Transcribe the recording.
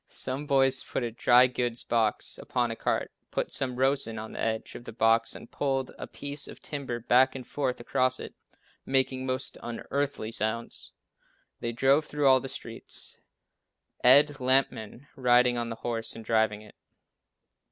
Some boys put a dry goods box upon a cart, put some rosin on the edge of the box and pulled a piece of timber back and forth across it, making most unearthly sounds. They drove through all the streets, Ed Lampman riding on the horse and driving it.